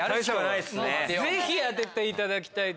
ぜひ当てていただきたい！